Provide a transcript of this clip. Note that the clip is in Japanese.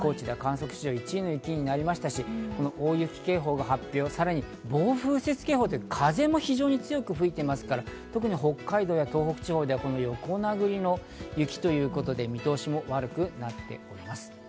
高知では観測史上１位の雪となりましたし、この大雪警報が発表、さらに暴風雪警報という風も非常に強く吹いていますから、特に北海道や東北地方では横殴りの雪ということで見通しも悪くなっています。